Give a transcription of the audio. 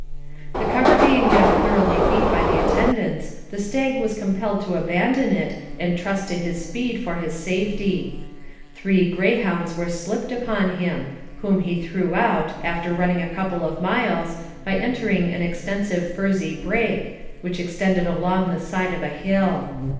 The cover being now thoroughly beat by the attendants, the stag was compelled to abandon it and trust to his speed for his safety. Three greyhounds were slipped upon him, whom he threw out, after running a couple of miles, by entering an extensive furzy brake, which extended along the side of a hill.